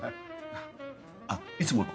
あっいつもの。